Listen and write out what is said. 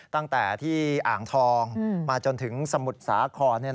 ตั้งแต่ที่อ่างทองมาจนถึงสมุทรสาคร